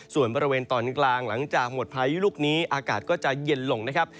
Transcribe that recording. ส่วนบริเวณตอนกลางหลังจากหมดพายุลูกนี้อากาศก็จะเย็นลงนะครับ